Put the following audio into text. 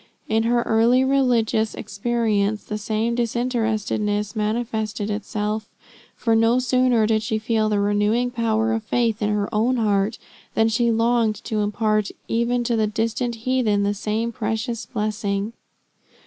In her early religious experience, the same disinterestedness manifested itself; for no sooner did she feel the renewing power of faith in her own heart, than she longed to impart even to the distant heathen the same precious blessing.